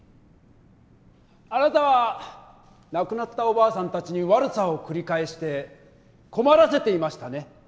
あなたは亡くなったおばあさんたちに悪さを繰り返して困らせていましたね。